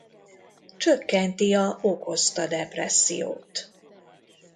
Csökkenti a okozta depressziót.